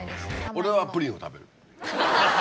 俺はプリンを食べる。